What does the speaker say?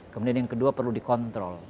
kemudian yang kedua perlu dikontrol